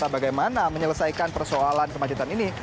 bagaimana menyelesaikan persoalan kemacetan ini